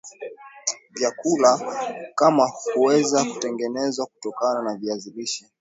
vyakula kama huweza kutengenezw kutokana na viazi lishe